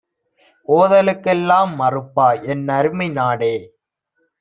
ஓதலுக்கெல் லாம்மறுப்பா? என்னருமை நாடே